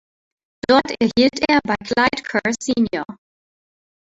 Dort erhielt er bei Clyde Kerr Sr.